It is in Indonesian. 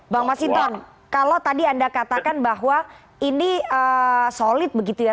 bang masinton kalau tadi anda katakan bahwa ini solid begitu ya